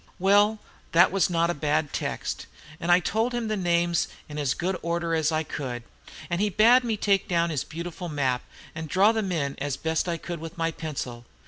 "Well, that was not a bad text, and I told him the names in as good order as I could, and he bade me take down his beautiful map and draw them in as I best could with my pencil.